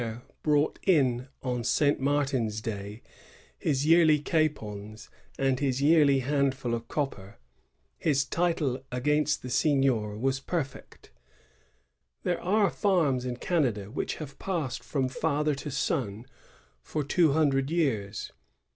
So long as the censitaire brought in on Saint Martin's day his yearly capons and his yearly handful of copper, his title against the seignior was perfect. There are farms in Canada which have passed from father to son for two hundred years.